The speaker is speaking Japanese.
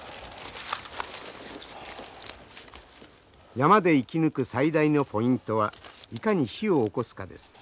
山で生き抜く最大のポイントはいかに火をおこすかです。